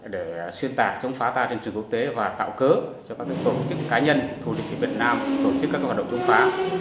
để xuyên tạc chống phá ta trên trường quốc tế và tạo cớ cho các tổ chức cá nhân thù địch việt nam tổ chức các hoạt động chống phá